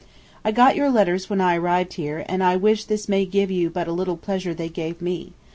I got your letters when I arrived here, and I wish this may give you but a little pleasure they gave me.